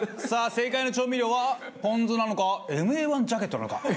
さあ正解の調味料はポン酢なのかＭＡ−１ジャケットなのか？